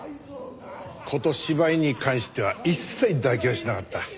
こと芝居に関しては一切妥協しなかった。